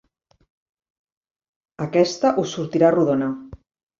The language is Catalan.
Aquesta us sortirà rodona.